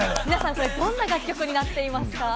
どんな楽曲になっていますか？